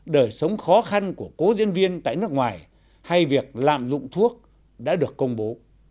đời sống khó khăn của cố diễn viên tại nước ngoài hay việc lạm dụng thuốc đã được công bố